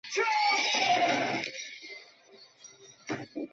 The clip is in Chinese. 西部淡水以南至盐水溪口以北间广泛分布。